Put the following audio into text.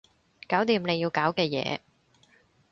搞掂你要搞嘅嘢